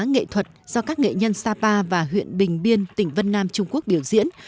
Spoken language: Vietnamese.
nghệ thuật do các nghệ nhân sapa và huyện bình biên tỉnh vân nam trung quốc biểu diễn